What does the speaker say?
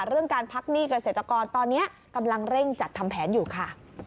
เรื่องการพักหนี้เกษตรกรตอนนี้กำลังเร่งจัดทำแผนอยู่ค่ะ